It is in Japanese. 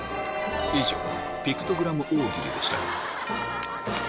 ピクトグラム大喜利でした